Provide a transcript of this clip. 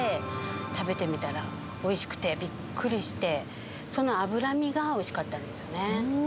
食べてみたら、おいしくてびっくりして、その脂身がおいしかったんですよね。